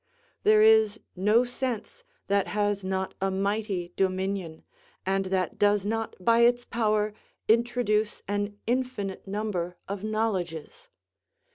There is no sense that has not a mighty dominion, and that does not by its power introduce an infinite number of knowledges.